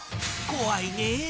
怖いね。